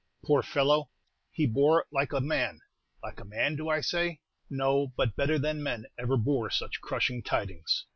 Poor fellow! he bore it like a man. Like a man, do I say? No, but better than man ever bore such crushing tidings."